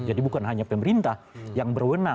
jadi bukan hanya pemerintah yang berwenang